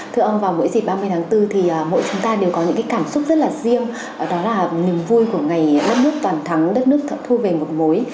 thưa ông vào mỗi dịp ba mươi tháng bốn thì mỗi chúng ta đều có những cảm xúc rất là riêng đó là niềm vui của ngày đất nước toàn thắng đất nước thu về một mối